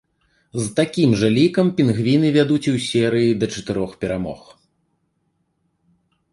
З такім жа лікам пінгвіны вядуць і ў серыі да чатырох перамог.